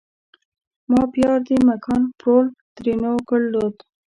ما پیار دې مکان پرول؛ ترينو کړدود